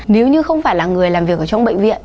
nếu như không phải là người làm việc ở trong bệnh viện